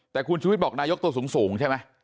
แต่คุณชุวิตบอกนายกตัวสูงใช่ไหม